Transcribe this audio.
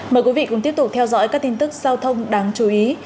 mời quý vị cùng tiếp tục theo dõi các tin tức giao thông đáng chú ý